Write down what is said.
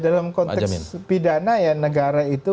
dalam konteks pidana ya negara itu